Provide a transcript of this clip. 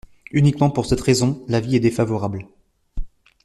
Uniquement pour cette raison, l’avis est défavorable.